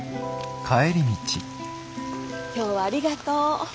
今日はありがとう。